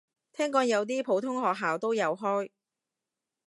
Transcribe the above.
聽講有啲普通學校都有開